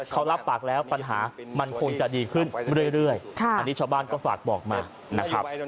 เขารับปากแล้วปัญหามันคงจะดีขึ้นเรื่อยอันนี้ชาวบ้านก็ฝากบอกมานะครับ